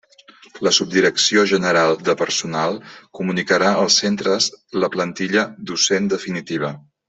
La Subdirecció General de Personal comunicarà als centres la plantilla docent definitiva.